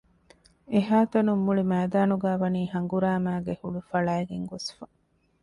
އެހައިތަނުން މުޅިމައިދާނުގައިވަނީ ހަނގުރާމައިގެ ހުޅުފަޅައިގެން ގޮސްފަ